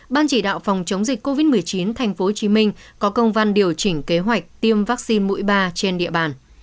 ban chỉ đạo phòng chống dịch covid một mươi chín tp hcm có công văn điều chỉnh kế hoạch tiêm vaccine mũi ba trên địa bàn